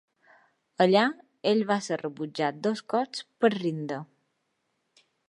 Allà ell va ser rebutjat dos cops per Rinda.